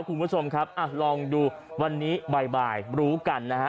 คุณผู้ชมครับอ่ะลองดูวันนี้บ่ายรู้กันนะฮะ